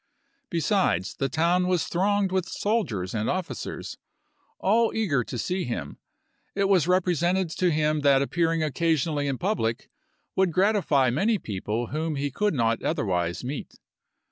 Besides, the town was thronged with soldiers and officers, all eager to see him; it was represented to him that appearing occasionally in public would gratify many people whom he could not otherwise meet.